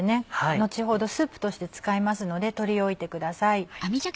後ほどスープとして使いますので取り置いてください。